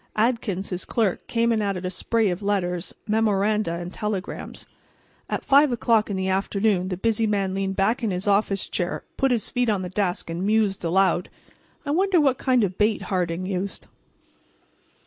Adkins, his clerk, came and added a spray of letters, memoranda and telegrams. At 5 o'clock in the afternoon the busy man leaned back in his office chair, put his feet on the desk and mused aloud: "I wonder what kind of bait Harding used."